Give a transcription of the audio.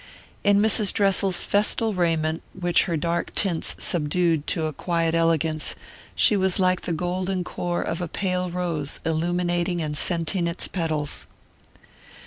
In Mrs. Dressel's festal raiment, which her dark tints subdued to a quiet elegance, she was like the golden core of a pale rose illuminating and scenting its petals.